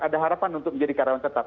ada harapan untuk menjadi karyawan tetap